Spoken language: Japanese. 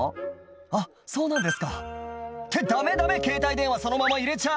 「あっそうなんですか？」ってダメダメ携帯電話そのまま入れちゃ！